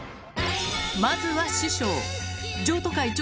まずは師匠。